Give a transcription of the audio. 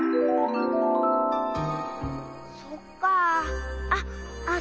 そっかあ。